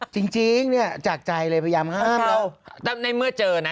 จริงจริงเนี่ยจากใจเลยพยายามห้ามเราครับแต่ในเมื่อเจอนะ